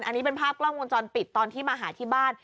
อันนี้เป็นภาพกล้องวงจรปิดตอนที่มาหาที่บ้าน